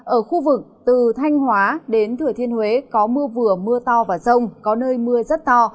ở khu vực từ thanh hóa đến thừa thiên huế có mưa vừa mưa to và rông có nơi mưa rất to